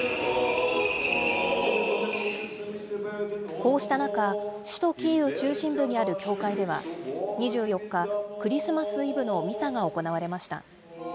こうした中、首都キーウ中心部にある教会では２４日、クリスマスイブのミサが行われました。